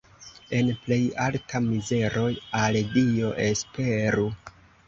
En plej alta mizero al Dio esperu.